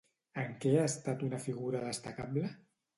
En què ha estat una figura destacable?